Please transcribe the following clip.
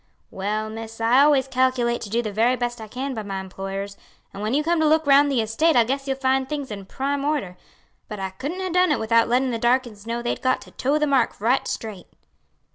"Well, miss, I always calculate to do the very best I can by my employers, and when you come to look round the estate, I guess you'll find things in prime order; but I couldn't ha' done it without lettin' the darkies know they'd got to toe the mark right straight."